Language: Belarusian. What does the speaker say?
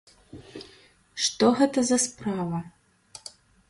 Што гэта за справа?